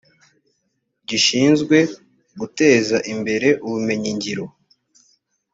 gishinzwe guteza imbere ubumenyingiro